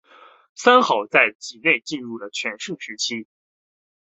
三好在畿内进入了全盛期。